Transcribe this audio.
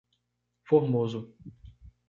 Formoso